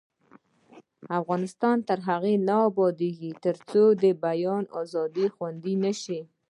افغانستان تر هغو نه ابادیږي، ترڅو د بیان ازادي خوندي نشي.